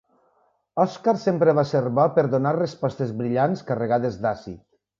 Oscar sempre va ser bo per donar respostes brillants carregades d'àcid.